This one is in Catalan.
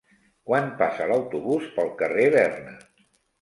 Quan passa l'autobús pel carrer Berna?